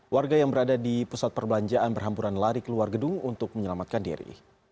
warga yang berada di pusat perbelanjaan berhamburan lari keluar gedung untuk menyelamatkan diri